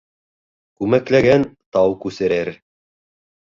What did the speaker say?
Күмәкләгән тау күсерер.